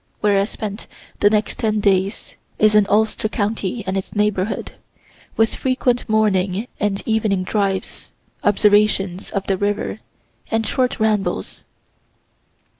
(Where I spend the next ten days is in Ulster county and its neighborhood, with frequent morning and evening drives, observations of the river, and short rambles.)